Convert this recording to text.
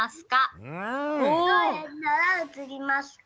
どうやったらうつりますか？